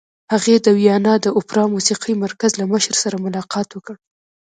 هغې د ویانا د اوپرا موسیقۍ مرکز له مشر سره ملاقات وکړ